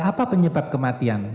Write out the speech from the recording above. apa penyebab kematian